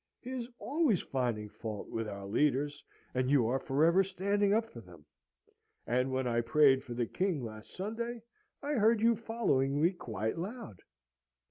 He is always finding fault with our leaders, and you are for ever standing up for them; and when I prayed for the King last Sunday, I heard you following me quite loud."